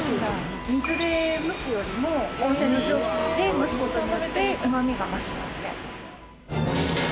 水で蒸すよりも温泉の蒸気で蒸す事によってうまみが増しますね。